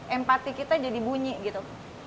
empati kita jadi bunyi gitu